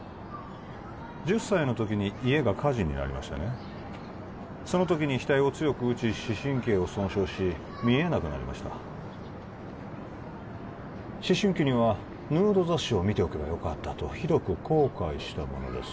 １０歳の時に家が火事になりましてねその時に額を強く打ち視神経を損傷し見えなくなりました思春期にはヌード雑誌を見ておけばよかったとひどく後悔したものです